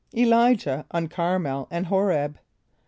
Elijah on Carmel and Horeb.